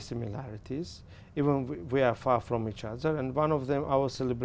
vì điều đó anh đã hỏi